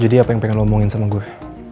jadi apa yang pengen lo omongin sama gue